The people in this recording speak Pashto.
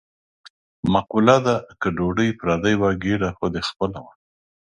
مقوله ده: که ډوډۍ پردۍ وه ګېډه خو دې خپله وه.